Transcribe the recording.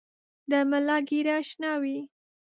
د ملا ږیره شناوۍ وه .